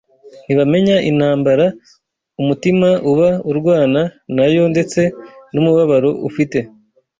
ntibamenya intambara umutima uba urwana na yo ndetse n’umubabaro ufite